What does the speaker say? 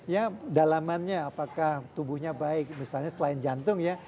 ya dalamannya apakah tubuhnya baik misalnya selain jantung ya